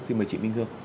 xin mời chị minh hương